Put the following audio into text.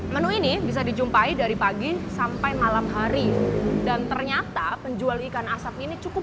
menu ini bisa dijumpai dari pagi sampai malam hari dan ternyata penjual ikan asap ini cukup